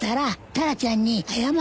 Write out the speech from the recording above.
タラちゃん